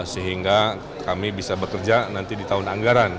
sehingga kami bisa bekerja nanti di tahun anggaran